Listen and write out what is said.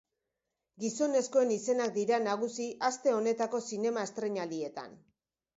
Gizonezkoen izenak dira nagusi aste honetako zinema estreinaldietan.